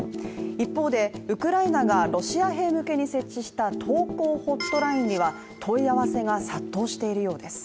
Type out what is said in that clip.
一方でウクライナがロシア兵向けに設置した投降ホットラインには問い合わせが殺到しているようです。